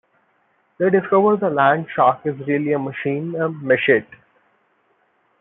They discover the Land Shark is really a machine-a "Mechat".